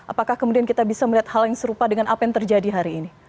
apakah kemudian kita bisa melihat hal yang serupa dengan apa yang terjadi hari ini